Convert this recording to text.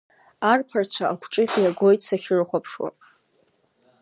Арԥарацәа агәҿыӷь иагоит сахьрыхәаԥшуа.